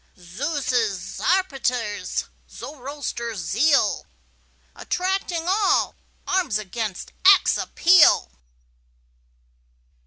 Zeus', Zarpater's, Zoroaster's zeal, Attracting all, arms against acts appeal!